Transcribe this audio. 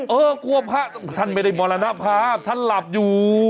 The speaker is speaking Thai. เออกลัวพระท่านไม่ได้หมดแล้วนะพระท่านหลับอยู่